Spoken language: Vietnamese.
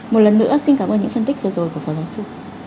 một lần nữa xin cảm ơn những phân tích vừa rồi của phó giáo sư